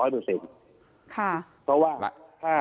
เพราะว่าถ้า